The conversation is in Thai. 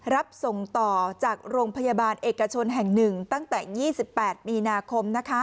รับส่งต่อจากโรงพยาบาลเอกชนแห่ง๑ตั้งแต่๒๘มีนาคม